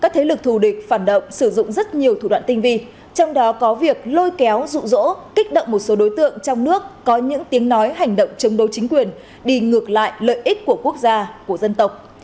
các thế lực thù địch phản động sử dụng rất nhiều thủ đoạn tinh vi trong đó có việc lôi kéo rụ rỗ kích động một số đối tượng trong nước có những tiếng nói hành động chống đấu chính quyền đi ngược lại lợi ích của quốc gia của dân tộc